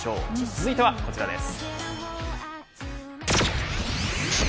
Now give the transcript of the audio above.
続いてはこちらです。